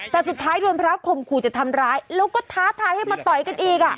แต่สุดท้ายโดนพระข่มขู่จะทำร้ายแล้วก็ท้าทายให้มาต่อยกันอีก